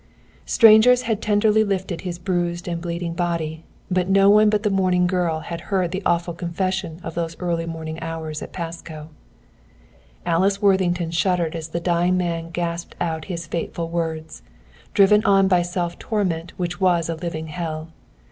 Strangers had tenderly lifted his bruised and bleeding body; but no one but the mourning girl had heard the awful confession of those early morning hours at Pasco. Alice Worthington shuddered as the dying man gasped out his fateful words, driven on by a self torment which was a living hell.